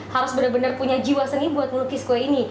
harus benar benar punya jiwa seni buat melukis kue ini